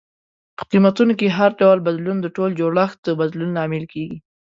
په قیمتونو کې هر ډول بدلون د ټول جوړښت د بدلون لامل کیږي.